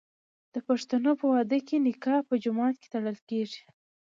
د پښتنو په واده کې نکاح په جومات کې تړل کیږي.